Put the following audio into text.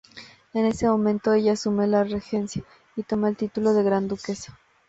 En ese momento ella asume la regencia y toma el título de Gran Duquesa.